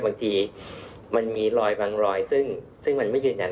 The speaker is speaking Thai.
บางทีมันมีรอยบางรอยซึ่งมันไม่ยืนยัน